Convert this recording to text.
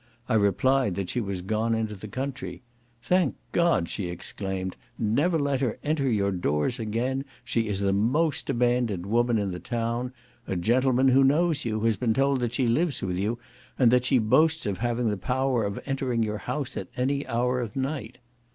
I replied that she was gone into the country. "Thank God," she exclaimed, "never let her enter your doors again, she is the most abandoned woman in the town: a gentleman who knows you, has been told that she lives with you, and that she boasts of having the power of entering your house at any hour of night."